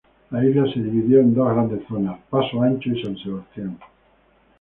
La isla se dividió en dos grandes zonas: Paso Ancho y San Sebastián.